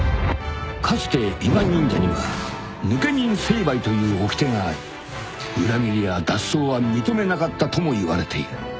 ［かつて伊賀忍者には「抜忍成敗」というおきてがあり裏切りや脱走は認めなかったともいわれている］